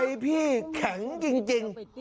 ใจพี่เข็งจริง